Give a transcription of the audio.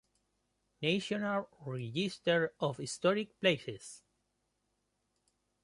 National Register of Historic Places.